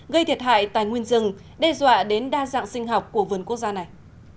gây thiệt hại tài nguyên rừng đe dọa đến đa dạng sinh học của vườn quốc gia này